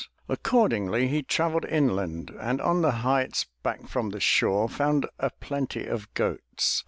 Accordingly, he traveled inland, and on the heights back from the shore found a plenty of goats.